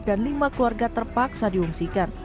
dan lima keluarga terpaksa diungsikan